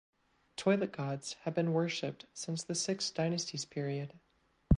Toilet gods have been worshipped since the Six Dynasties period.